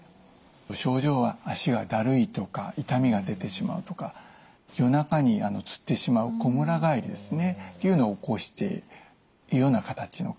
症状は脚がだるいとか痛みが出てしまうとか夜中につってしまうこむらがえりですねというのを起こしているような形の方。